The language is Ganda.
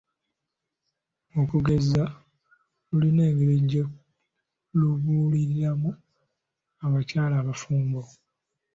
Okugeza lulina engeri gye lubuuliriramu abakyala abafumbo.